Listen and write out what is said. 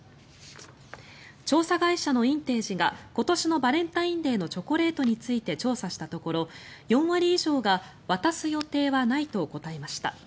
調査会社のインテージが今年のバレンタインデーのチョコレートについて調査したところ４割以上が渡す予定はないと答えました。